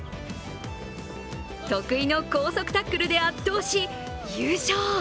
得意の高速タックルで圧倒し優勝。